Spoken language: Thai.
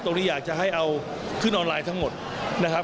ที่อยากจะให้เอาขึ้นออนไลน์ทั้งหมดนะครับ